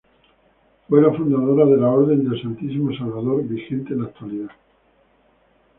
Fue la fundadora de la Orden del Santísimo Salvador, vigente en la actualidad.